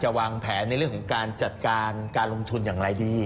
วางแผนในเรื่องของการจัดการการลงทุนอย่างไรดี